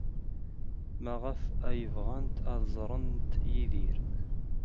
Maɣef ay bɣant ad ẓrent Yidir?